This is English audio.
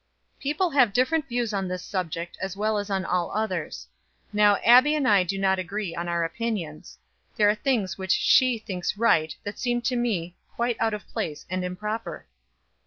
"People have different views on this subject as well as on all others. Now Abbie and I do not agree in our opinions. There are things which she thinks right that seem to me quite out of place and improper."